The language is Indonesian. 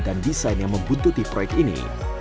desain yang membuntuti proyek ini